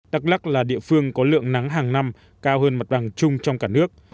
đắk lắc là địa phương có lượng nắng hàng năm cao hơn mặt bằng chung trong cả nước